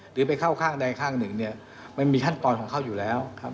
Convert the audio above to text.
หรือไปเข้าข้างใดข้างหนึ่งเนี่ยมันมีขั้นตอนของเขาอยู่แล้วครับ